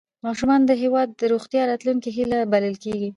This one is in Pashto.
ماشومان د هېواد د روښانه راتلونکي هیله بلل کېږي